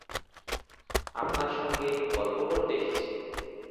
আপনার সঙ্গে গল্প করতে এসেছি।